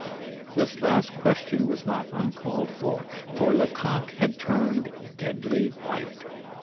This last question was not uncalled for; for Lecoq had turned deadly white.